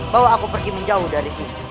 bawa aku pergi menjauh dari sini